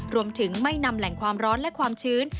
รวมถึงไม่นำแหล่งความร้อนและความชื้น